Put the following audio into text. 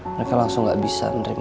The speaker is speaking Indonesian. mereka langsung nggak bisa menerima